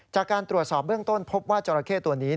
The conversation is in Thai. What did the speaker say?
จากการตรวจสอบเบื้องต้นพบว่าจราเข้ตัวนี้